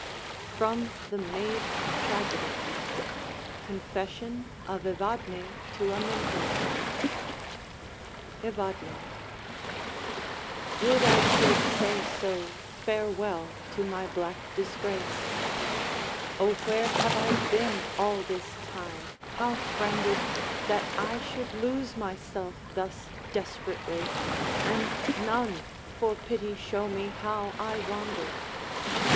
FROM 'THE MAID'S TRAGEDY' CONFESSION OF EVADNE TO AMINTOR Evadne Would I could say so [farewell] to my black disgrace! Oh, where have I been all this time? how friended, That I should lose myself thus desperately, And none for pity show me how I wandered?